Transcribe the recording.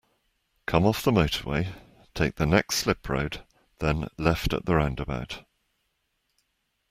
Come off the motorway, take the next slip-road, then left at the roundabout